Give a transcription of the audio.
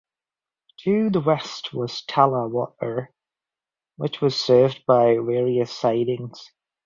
To the west was Talla Water which was served by various sidings.